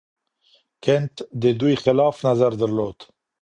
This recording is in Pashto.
کنت د دوی خلاف نظر درلود.